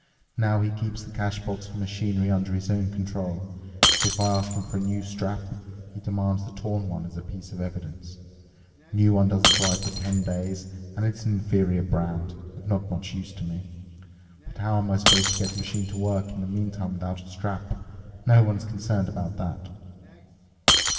Now he keeps the cash box for machinery under his own control, and if I ask him for a new strap, he demands the torn one as a piece of evidence, the new one doesn't arrive for ten days, and it's an inferior brand, of not much use to me. But how I am supposed to get the machine to work in the meantime without a strap—no one's concerned about that."